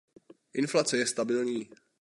Inflace je stabilní.